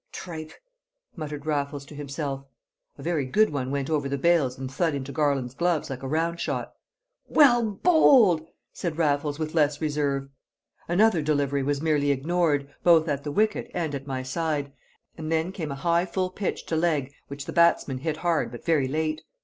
"Tripe!" muttered Raffles to himself. A very good one went over the bails and thud into Garland's gloves like a round shot. "Well bowled!" said Raffles with less reserve. Another delivery was merely ignored, both at the wicket and at my side, and then came a high full pitch to leg which the batsman hit hard but very late.